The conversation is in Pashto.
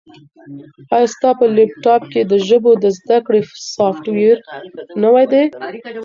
ایا ستا په لیپټاپ کي د ژبو د زده کړې سافټویر نوی دی؟